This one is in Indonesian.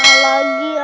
saya juga lihat